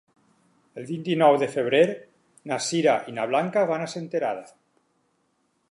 El vint-i-nou de febrer na Sira i na Blanca van a Senterada.